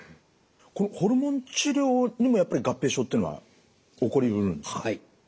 これホルモン治療にもやっぱり合併症っていうのは起こりうるんですか。